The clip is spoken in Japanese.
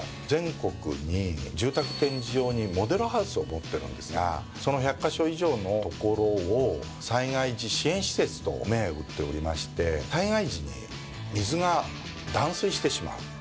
全国に住宅展示場にモデルハウスを持ってるんですがその１００カ所以上の所を災害時支援施設と銘打っておりまして災害時に水が断水してしまう。